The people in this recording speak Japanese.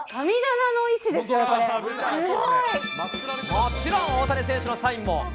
もちろん大谷選手のサインも。